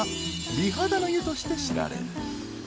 ［美肌の湯として知られる］